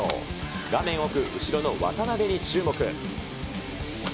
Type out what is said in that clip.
画面奥、後ろの渡辺に注目。